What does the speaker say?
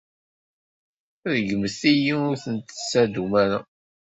Ṛeggmet-iyi ur ten-tettadum ara.